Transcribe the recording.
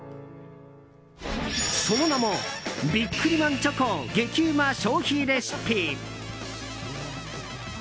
その名も「ビックリマンチョコ激うま消費レシピ」。